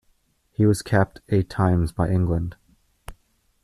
He was capped eight times by England.